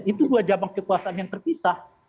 itu dua cabang kekuasaan yang terpisah